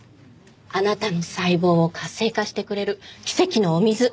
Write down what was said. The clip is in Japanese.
あなたの細胞を活性化してくれる奇跡のお水。